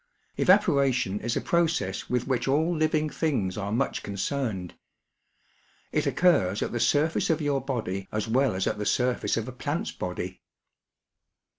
Evaporation is a process with which all living things are much concerned. It occurs at the surface of your body as well as at the surface of a plant's body.